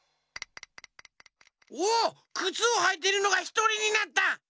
おっくつをはいてるのがひとりになった！